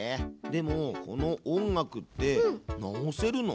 でもこの音楽って直せるの？